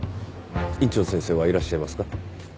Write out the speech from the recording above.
院長先生はいらっしゃいますか？